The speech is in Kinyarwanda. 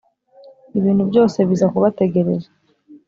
ibintu byose biza kubategereza